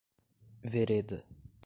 Vereda